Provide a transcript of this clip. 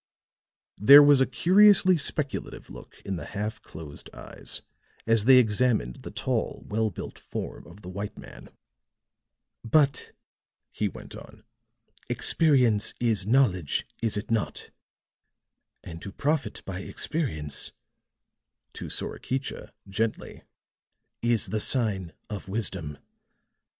There was a curiously speculative look in the half closed eyes as they examined the tall, well built form of the white man. "But," he went on, "experience is knowledge, is it not? And to profit by experience," to Sorakicha, gently, "is the sign of wisdom.